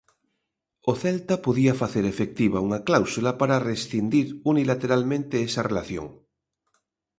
O Celta podía facer efectiva unha cláusula para rescindir unilateralmente esa relación.